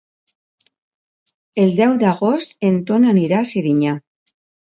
El deu d'agost en Ton anirà a Serinyà.